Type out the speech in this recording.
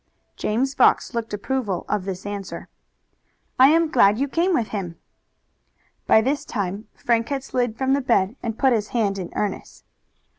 James Fox looked approval of this answer. "I am glad you came with him." By this time Frank had slid from the bed and put his hand in Ernest's.